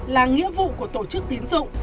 là nghĩa vụ của tổ chức tín dụng